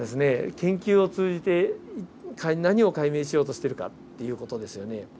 研究を通じて何を解明しようとしてるかっていう事ですよね。